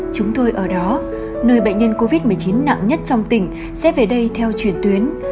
chúng tôi ở đó nơi bệnh nhân covid một mươi chín nặng nhất trong tỉnh sẽ về đây theo truyền tuyến